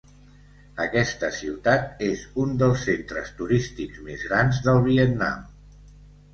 Aquesta ciutat és un dels centres turístics més grans del Vietnam.